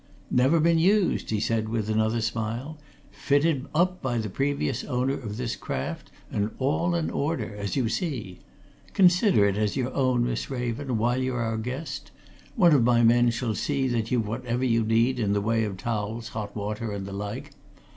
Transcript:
"Never been used," he said with another smile. "Fitted up by the previous owner of this craft, and all in order, as you see. Consider it as your own, Miss Raven, while you're our guest. One of my men shall see that you've whatever you need in the way of towels, hot water, and the like.